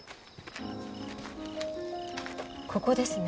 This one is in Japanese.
ここですね。